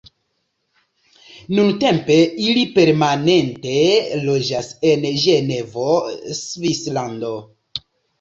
Nuntempe ili permanente loĝas en Ĝenevo, Svislando.